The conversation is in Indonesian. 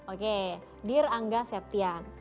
oke dear angga septian